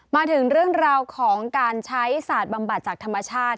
มาถึงเรื่องราวของการใช้ศาสตร์บำบัดจากธรรมชาติ